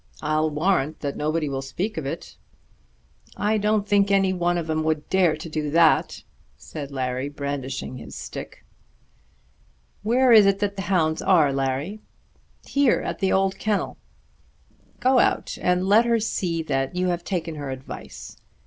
I'll warrant that nobody will speak of it." "I don't think any one of 'em would dare to do that," said Larry brandishing his stick. "Where is it that the hounds are to morrow, Larry?" "Here; at the old kennel." "Go out and let her see that you have taken her advice.